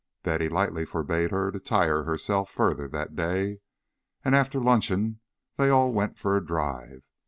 Betty lightly forbade her to tire herself further that day, and after luncheon they all went for a drive.